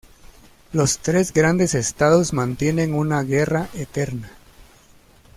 Los tres grandes Estados mantienen una guerra "eterna".